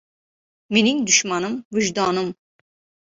• Mening dushmanim — vijdonim.